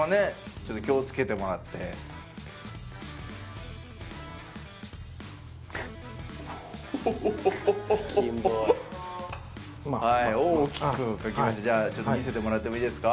ちょっと気をつけてもらってチキンボーイはい大きく描きましたじゃあちょっと見せてもらってもいいですか？